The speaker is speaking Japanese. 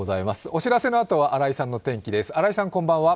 お知らせのあとは新井さんの天気です。